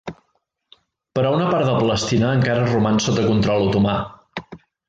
Però una part de Palestina encara roman sota control otomà.